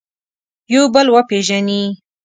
یو بل وپېژني.